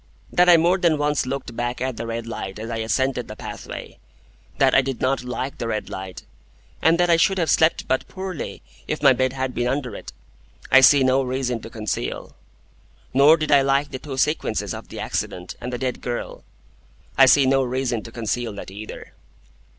That I more than once looked back at the red light as I ascended the pathway, that I did not like the red light, and that I should have slept but poorly if my bed had been under it, I see no reason to conceal. Nor did I like the two sequences of the accident and the dead girl. I see no reason to conceal that either.